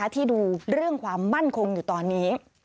ที่ดูเรื่องความมั่นคงอยู่ตอนนี้